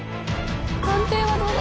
判定はどうだ？